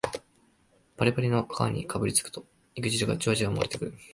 パリパリの皮にかぶりつくと肉汁がジュワジュワもれてくる